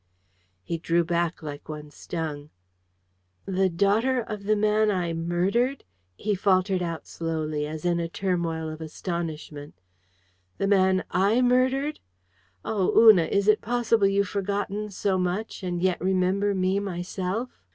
He drew back like one stung. "The daughter of the man I murdered!" he faltered out slowly, as in a turmoil of astonishment. "The man I murdered! Oh, Una, is it possible you've forgotten so much, and yet remember me myself?